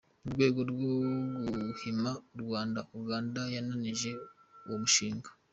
Mu rwego rwo guhima u Rwanda, Uganda yananije uwo mushinga.